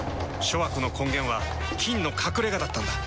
諸悪の根源は「菌の隠れ家」だったんだ。